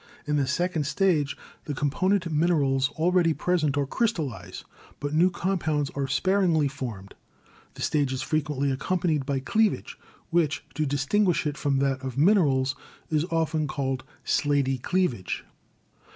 In the second stage the com ponent minerals already present are crystallized, but new compounds are sparingly formed. This stage is frequently accompanied by cleavage, which, to distinguish it from that of minerals, is often called slaty cleavage."